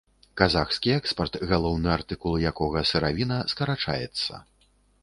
Казахскі экспарт, галоўны артыкул якога сыравіна, скарачаецца.